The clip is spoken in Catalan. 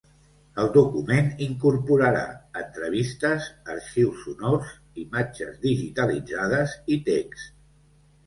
El document incorporarà entrevistes, arxius sonors, imatges digitalitzades i text.